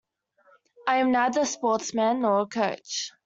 I am neither a sportsman nor a coach.